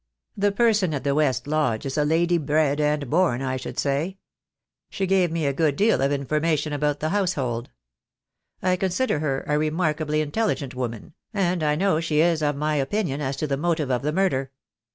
The person at the west lodge is a lady bred and born, I should say. She gave me a good deal of information about the household. I con sider her a remarkably intelligent woman, and I know she is of my opinion as to the motive of the murder."